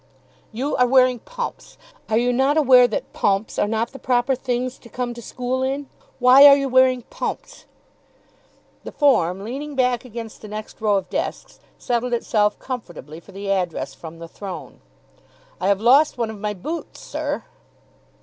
"You are wearing pumps? Are you not aware that PUMPS are not the proper things to come to school in? Why are you wearing PUMPS?" The form, leaning back against the next row of desks, settled itself comfortably for the address from the throne. "I have lost one of my boots, sir."